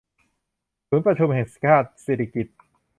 ศูนย์ประชุมแห่งชาติสิริกิติ์